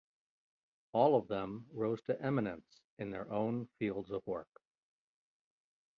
All of them rose to eminence in their own fields of work.